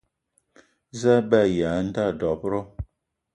Za a be aya a nda dob-ro?